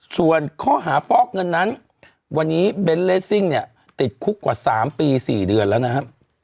ส่วนข้อหาฟอกเงินนั้นวันนี้เบนท์เลสซิ่งเนี่ยติดคุกกว่า๓ปี๔เดือนแล้วนะครับ